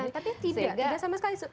tapi tidak tidak sama sekali